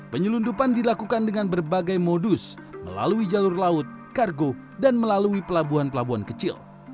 penyelundupan dilakukan dengan berbagai modus melalui jalur laut kargo dan melalui pelabuhan pelabuhan kecil